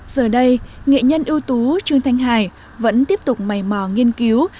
giờ đây nghệ nhân ưu tú trương thanh hải vẫn tiếp tục mầy mò nghiên cứu